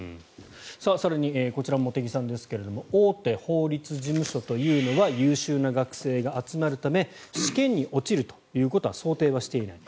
更にこちら茂木さんですが大手法律事務所というのは優秀な学生が集まるため試験に落ちるということは想定していない。